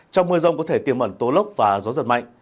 trong mưa rông có thể tiêm ẩn tố lốc và gió giật mạnh